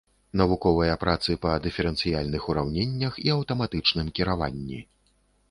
Навуковыя працы па дыферэнцыяльных ураўненнях і аўтаматычным кіраванні.